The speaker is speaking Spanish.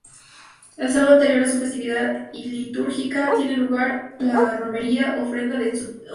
El sábado anterior a su festividad litúrgica tiene lugar la romería-ofrenda en su honor.